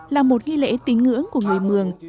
là một nghi lễ tiến ngưỡng của người mường